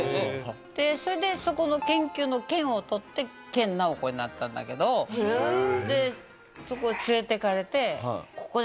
それでそこの「研究」の「研」をとって「研ナオコ」になったんだけどそこへ連れていかれて。